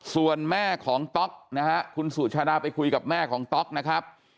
ส่วนแม่ของต๊อกนะฮะคุณสุชาดาไปคุยกับแม่ของต๊อกนะครับ